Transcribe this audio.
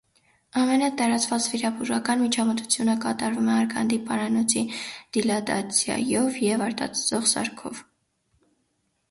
Ամենատարված վիրաբուժական միջամտությունը կատարվում է արգանդի պարանոցի դիլատացիայով և արտածծող սարքով։